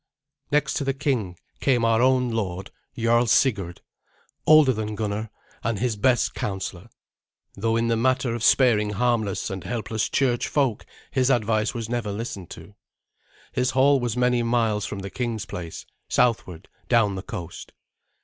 Next to the king came our own lord, Jarl Sigurd, older than Gunnar, and his best counsellor, though in the matter of sparing harmless and helpless church folk his advice was never listened to. His hall was many miles from the king's place, southward down the coast.